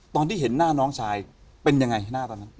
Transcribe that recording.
ตอนที่เห็นหน้าน้องชายเป็นยังไงหน้าตอนนั้น